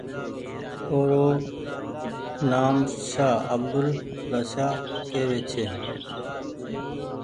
او رو نآم شاه عبدولآشاه ڪيوي ڇي۔